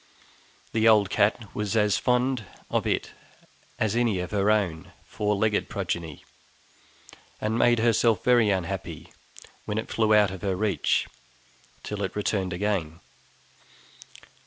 The old cat was as fond of it as any of her own four legged progeny, and made herself very unhappy when it flew out of her reach till it returned again.